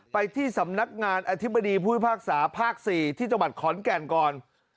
ไปที่สำนักงานอธิบดีผู้พิพากษาภาค๔ที่จังหวัดขอนแก่นก่อน